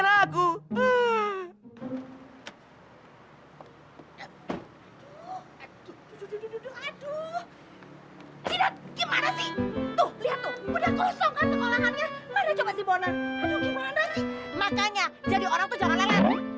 lagu lagu aduh aduh aduh aduh gimana sih tuh lihat udah kosong kan pengolahannya